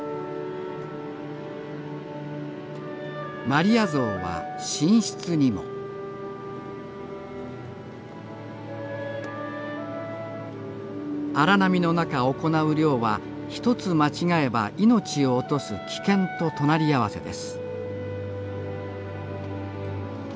マリア像は寝室にも荒波の中行う漁は一つ間違えば命を落とす危険と隣り合わせです